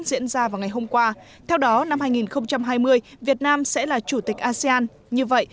diễn ra vào ngày hôm qua theo đó năm hai nghìn hai mươi việt nam sẽ là chủ tịch asean như vậy